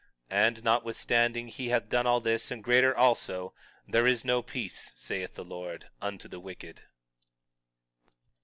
20:22 And notwithstanding he hath done all this, and greater also, there is no peace, saith the Lord, unto the wicked.